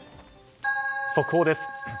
速報です。